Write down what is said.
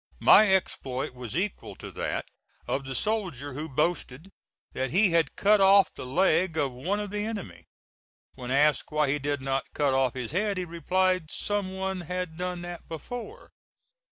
My exploit was equal to that of the soldier who boasted that he had cut off the leg of one of the enemy. When asked why he did not cut off his head, he replied: "Some one had done that before."